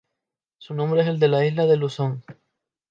Su nombre es el de la isla de Luzón.